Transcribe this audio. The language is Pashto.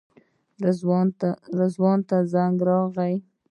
رضوان ته زنګ راغی.